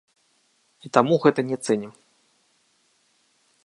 І таму гэта не цэнім.